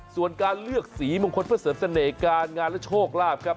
ส่วนการเลือกสีมงคลเพื่อเสริมเสน่ห์การงานและโชคลาภครับ